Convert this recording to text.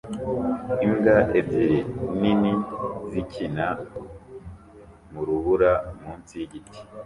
Imbwa ebyiri nini zikina mu rubura munsi yigiti